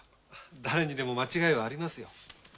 誰にでも間違いはありますよ。